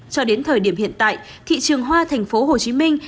cho đến thời điểm hiện tại thị trường hoa thành phố hồ chí minh